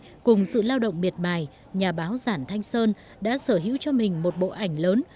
tại mê cùng sự lao động biệt bài nhà báo giản thanh sơn đã sở hữu cho mình một bộ ảnh lớn